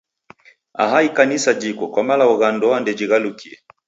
Aha Ikanisa jiko kwa malagho gha ndoa ndejighalukie.